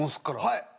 はい。